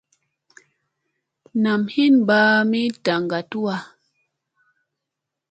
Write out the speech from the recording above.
Nam hin mbaybni dagan tuwa.